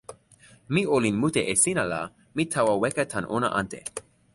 mi olin mute e sina, la mi tawa weka tan ona ante.